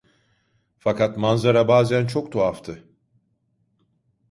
Fakat manzara bazen çok tuhaftı.